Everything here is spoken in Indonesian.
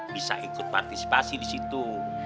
bisa ikut partisipasi di situ